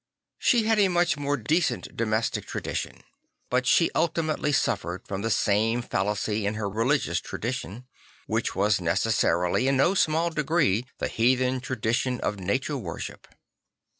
She had a much more decent domestic tradition; but she ultimately suffered from the same fallacy in her religious tradition; which was necessarily in no small degree the heathen tradition of nature worship.